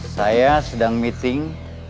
saya sedang meeting